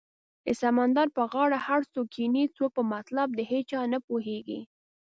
د سمندر په غاړه هر څوک کینې څوک په مطلب د هیچا نه پوهیږې